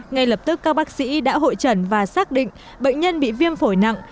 ngay lập tức các bác sĩ đã hội trần và xác định bệnh nhân bị viêm phổi nặng